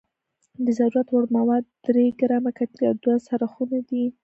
د ضرورت وړ مواد درې ګرامه کتلې او دوه څرخونه دي.